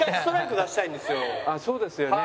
そうですよね。